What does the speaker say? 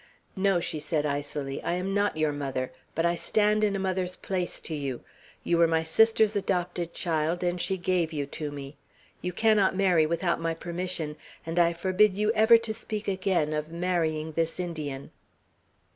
"No," she said icily, "I am not your mother; but I stand in a mother's place to you. You were my sister's adopted child, and she gave you to me. You cannot marry without my permission, and I forbid you ever to speak again of marrying this Indian."